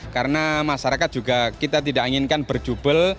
karena masyarakat juga kita tidak inginkan berjubel